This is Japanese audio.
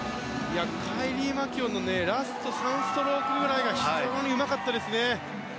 カイリー・マキュオンのラスト３ストロークぐらいが非常にうまかったですね。